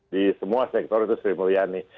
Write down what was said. di semua sektor itu sri mulyani